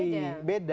efeknya juga berbeda